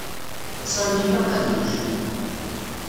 Sami ilaq ad yečč.